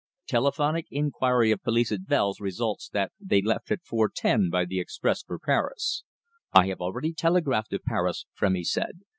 Telephonic inquiry of police at Wels results that they left at 4.10 by the express for Paris." "I have already telegraphed to Paris," Frémy said.